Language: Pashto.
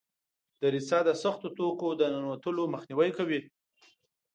دریڅه د سختو توکو د ننوتلو مخنیوی کوي.